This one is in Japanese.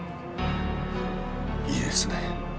いいですね。